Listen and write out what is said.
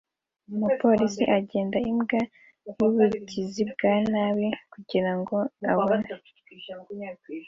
Umupolisi agenda imbwa yubugizi bwa nabi kugirango abone